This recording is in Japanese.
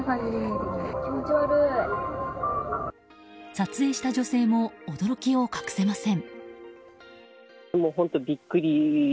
撮影した女性も驚きを隠せません。